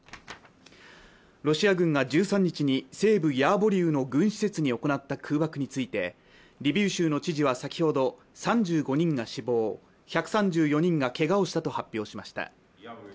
ロシア軍が１３日に西部ヤーヴォリウの軍施設に行った空爆についてリビウ州の知事は先ほど、３５人が死亡、１３４人がけがをしたと発表しました。